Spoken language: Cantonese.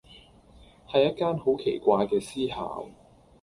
係一間好奇怪嘅私校⠀